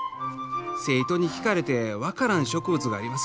生徒に聞かれて分からん植物があります